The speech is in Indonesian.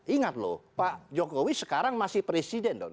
ingat loh pak jokowi sekarang masih presiden dong